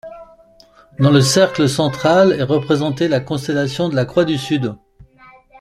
Dans le cercle central est représenté la constellation de la croix du Sud.